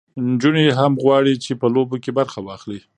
نجونې هم غواړي چې په لوبو کې برخه واخلي.